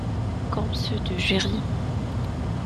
Comme ceux de Jerry.